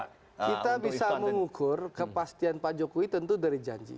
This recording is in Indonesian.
nah kita bisa mengukur kepastian pak jokowi tentu dari janji